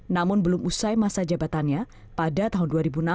namun belum usai masa jabatannya pada tahun dua ribu enam